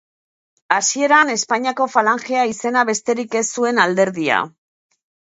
Hasieran Espainiako Falangea izena besterik ez zuen alderdia.